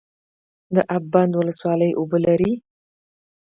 د اب بند ولسوالۍ اوبه لري